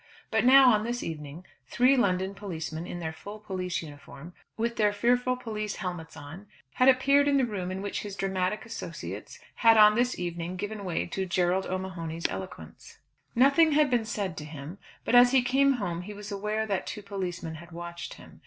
But now, on this evening, three London policemen in their full police uniform, with their fearful police helmets on, had appeared in the room in which his dramatic associates had on this evening given way to Gerald O'Mahony's eloquence. Nothing had been said to him; but as he came home he was aware that two policemen had watched him.